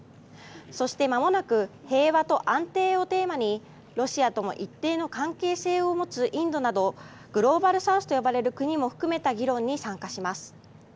そしてまもなく「平和と安定」をテーマにロシアとも一定の関係性を持つインドなどグローバルサウスと呼ばれる国も含めた議論に参加します。